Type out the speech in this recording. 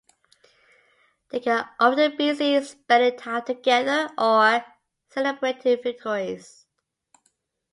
They can often be seen spending time together or celebrating victories.